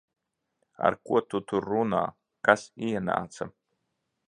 Ar ko tu tur runā? Kas ienāca?